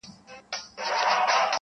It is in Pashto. ژبه مي د حق په نامه ګرځي بله نه مني -